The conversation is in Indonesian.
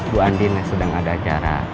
bu andina sedang ada acara